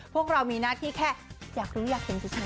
พวกเรามีหน้าที่แค่อยากรู้อยากเห็นเฉย